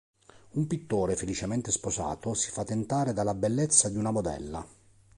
Un pittore, felicemente sposato, si fa tentare dalla bellezza di una modella.